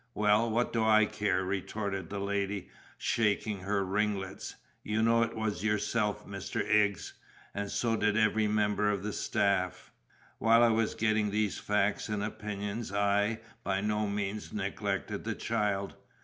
"Well, what do I care?" retorted the lady, shaking her ringlets. "You know it was yourself, Mr. 'Iggs, and so did every member of the staff." While I was getting these facts and opinions, I by no means neglected the child.